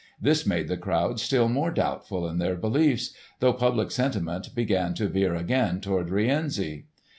This made the crowd still more doubtful in their beliefs, though public sentiment began to veer again toward Rienzi.